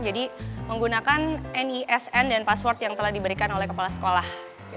jadi menggunakan nisn dan password yang telah diberikan oleh kepala sekolah